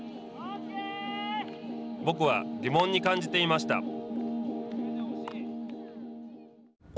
僕は疑問に感じていました。